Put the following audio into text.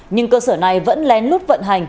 nhưng cơ sở này vẫn lén lút vận hành